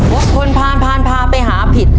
ว่าคนพานพาไปหาผิด